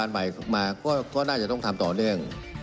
เพื่อ